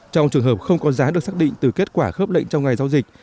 trong trường hợp không có giá được xác định từ kết quả khớp lệnh trong ngày giao dịch